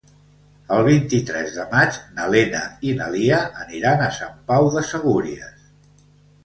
El vint-i-tres de maig na Lena i na Lia aniran a Sant Pau de Segúries.